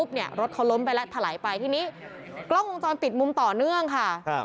ปุ๊บเนี่ยรถเขาร้มไปและผลายไปที่นี้กล้ององค์จอลติดมุมต่อเนื่องค่ะ